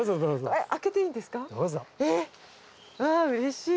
わあうれしい。